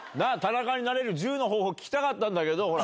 ＴＡＮＡＫＡになれる１０の方法聞きたかったんだけど。